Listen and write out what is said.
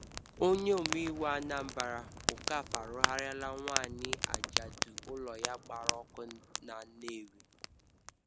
Onye Omeiwu Anambra, Okafor Arụgharịarala Nwaanyị Ajadụ Ụlọ Ya Gbara Ọkụ Na Nnewi